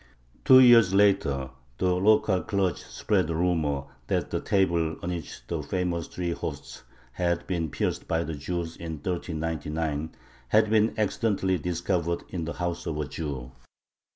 Two years later the local clergy spread the rumor, that the table on which the famous three hosts had been pierced by the Jews in 1399 had been accidentally discovered in the house of a Jew.